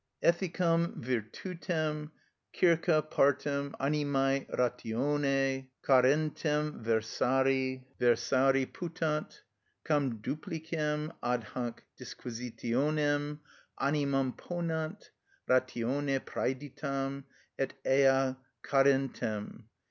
(_Ethicam virtutem circa partem animæ ratione carentem versari putant, cam duplicem, ad hanc disquisitionem, animam ponant, ratione præditam, et ea carentem.